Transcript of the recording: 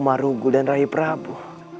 marugu dan rai prabu